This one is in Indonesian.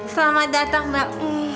selamat datang mbak